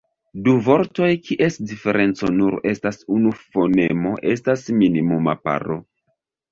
Du vortoj kies diferenco nur estas unu fonemo estas minimuma paro.